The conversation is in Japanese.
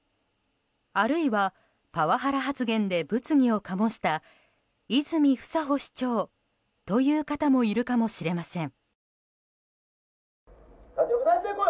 あるいはパワハラ発言で物議を醸した泉房穂市長という方もいるかもしれません。